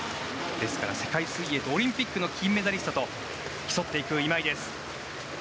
ですから世界水泳とオリンピックの金メダリストと競っていく今井です。